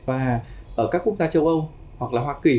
và ở các quốc gia châu âu hoặc là hoa kỳ